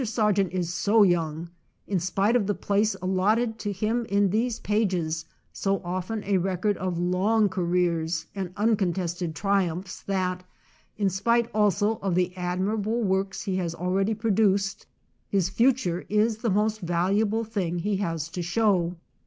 Sargent is so young, in spite of the place allotted to him in these pages, so often a record of long careers and uncontested triumphs, that, in spite also of the admirable works he has al ready produced, his future is the most valuable thing he has to show.